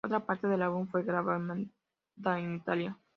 Otra parte del álbum fue grabada en Italia.